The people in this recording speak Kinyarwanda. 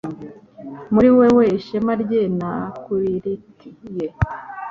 muri wewe ishema rye na crueltie